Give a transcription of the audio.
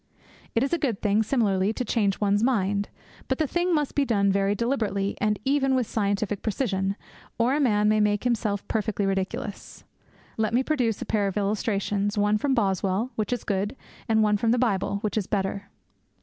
It is a good thing, similarly, to change one's mind. But the thing must be done very deliberately, and even with scientific precision, or a man may make himself perfectly ridiculous. Let me produce a pair of illustrations, one from Boswell, which is good; and one from the Bible, which is better.